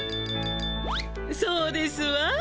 そうですわ。